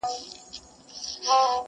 چي پرون وو گاونډی نن میرڅمن سو،